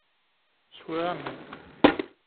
Swiɣ aman.